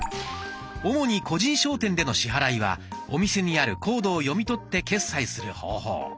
主に個人商店での支払いはお店にあるコードを読み取って決済する方法。